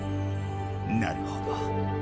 なるほど。